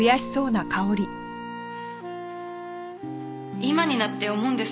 今になって思うんです。